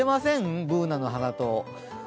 Ｂｏｏｎａの鼻と。